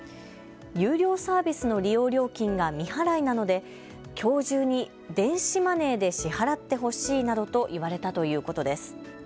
有料サービスの利用料金が未払いなのできょう中に電子マネーで支払ってほしいなどと言われたということです。